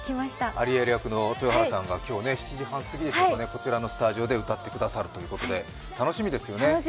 アリエル役の豊原さんが今日、７時半すぎですかね、こちらのスタジオで歌ってくださるということで楽しみですよね。